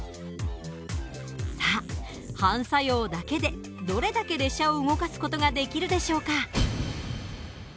反作用だけでどれだけ列車を動かす事ができるでしょうか？